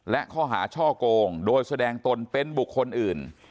และข้อหาช่อกงโดยแสดงตนเป็นบุคคลอื่น